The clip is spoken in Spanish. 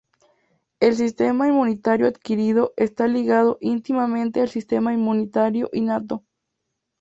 El sistema inmunitario adquirido está ligado íntimamente al sistema inmunitario innato.